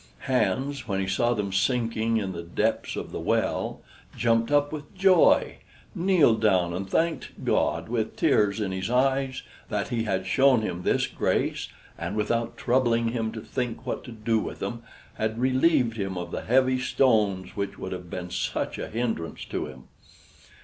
Hans, when he saw them sinking in the depths of the well, jumped up with joy, kneeled down and thanked God, with tears in his eyes, that He had shown him this grace and, without troubling him to think what to do with them, had relieved him of the heavy stones which would have been such a hindrance to him.